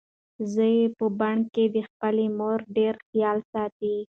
زوی یې په بن کې د خپلې مور ډېر خیال ساتي.